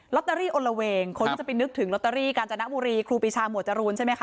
ตเตอรี่อลละเวงคนก็จะไปนึกถึงลอตเตอรี่กาญจนบุรีครูปีชาหมวดจรูนใช่ไหมคะ